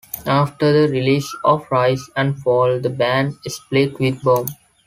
After the release of "Rise and Fall" the band split with Bomp!